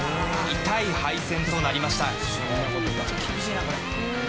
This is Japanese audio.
痛い敗戦となりました。